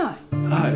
はい。